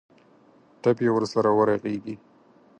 ټپ یې ورسره ورغېږي.